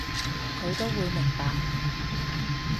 佢都會明白